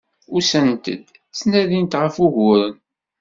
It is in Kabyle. Usant-d, ttnadint ɣef wuguren.